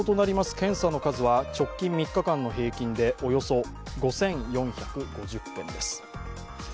検査の数は直近３日間の平均でおよそ５４５０件です。